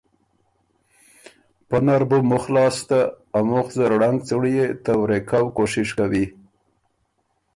پۀ نر بُو مُخ لاسته ا مُخ زر ړنګ څُنړيې ته ورې کؤ کوشش کوی۔